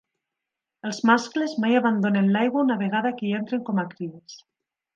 Els mascles mai abandonen l'aigua una vegada que hi entren com a cries.